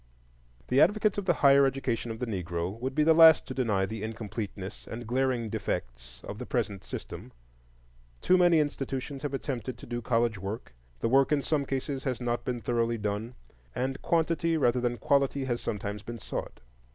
The advocates of the higher education of the Negro would be the last to deny the incompleteness and glaring defects of the present system: too many institutions have attempted to do college work, the work in some cases has not been thoroughly done, and quantity rather than quality has sometimes been sought.